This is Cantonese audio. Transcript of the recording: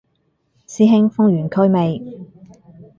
師兄封完區未